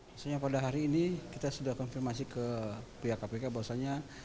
misalnya pada hari ini kita sudah konfirmasi ke pihak kpk bahwasanya